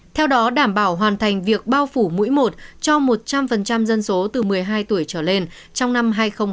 theo đó đảm bảo hoàn thành việc bao phủ mũi một cho một trăm linh dân số từ một mươi hai tuổi trở lên trong năm hai nghìn hai mươi